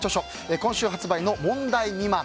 今週発売の「問題未満」。